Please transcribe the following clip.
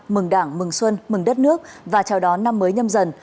mừng đảng mừng xuân mừng đất nước và chào đón năm mới nhâm dần